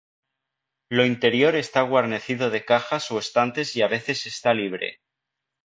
Lo interior está guarnecido de cajas o estantes y a veces está libre.